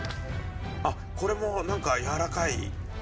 あっこれもなんかやわらかい。